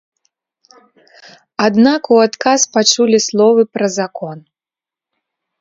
Аднак у адказ пачулі словы пра закон.